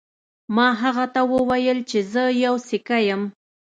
ما هغه ته وویل چې زه یو سیکه یم.